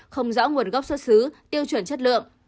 không rõ nguồn gốc xuất xứ tiêu chuẩn chất lượng